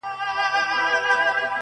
o سل کوډ گر، يو غيبتگر!